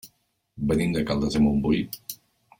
Venim de Caldes de Montbui.